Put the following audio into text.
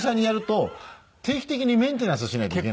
定期的にメンテナンスしなきゃいけない。